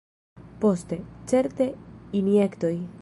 Poste, certe, injektoj.